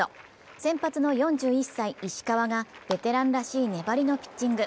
先発の４１歳・石川がベテランらしい粘りのピッチング。